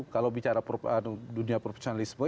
kalau bicara dunia profesionalisme